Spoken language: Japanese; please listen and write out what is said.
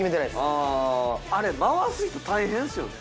あれ回す人大変っすよね。